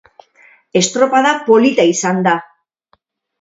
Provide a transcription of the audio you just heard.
Estropada polita izan da.